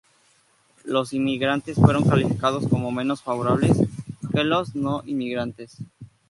Los inmigrantes fueron calificados como menos favorables que los no-inmigrantes.